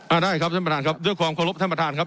ได้ครับท่านประธานครับด้วยความเคารพท่านประธานครับ